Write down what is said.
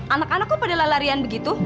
anak anak kok pada larian begitu